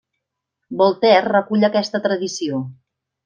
Voltaire recull aquesta tradició.